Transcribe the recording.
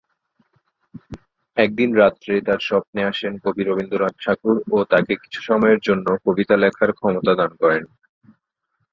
একদিন রাত্রে তার স্বপ্নে আসেন কবি রবীন্দ্রনাথ ঠাকুর ও তাকে কিছু সময়ের জন্য কবিতা লেখার ক্ষমতা দান করেন।